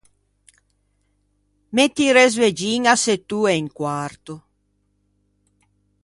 Metti un resveggin à sett’oe e un quarto.